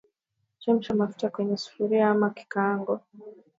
Chemsha mafuta kwenye sufuria ama kikaango